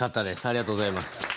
ありがとうございます。